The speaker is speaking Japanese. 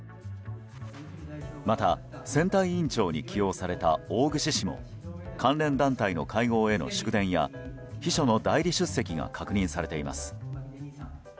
また、選対委員長に起用された大串氏も関連団体の会合への祝電や秘書の代理出席が確認されています。